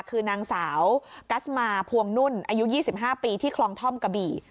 คือนางสาวกัสมาพวงนุ่นอายุ๒๕ปีที่คลองท่อมกะบี่